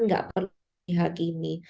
nggak perlu dihakimi